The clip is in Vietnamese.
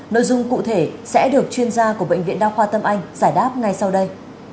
nội dung cụ thể sẽ được chuyên gia của bệnh viện đa khoa tâm anh giải đáp ngay sau đây